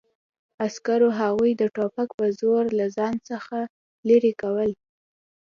عسکرو هغوی د ټوپک په زور له ځان څخه لرې کول